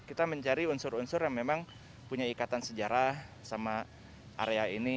kita mencari unsur unsur yang memang punya ikatan sejarah sama area ini